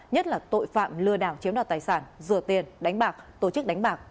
nhất là tội phạm lừa đảo chiếm đoạt tài sản rửa tiền đánh bạc tổ chức đánh bạc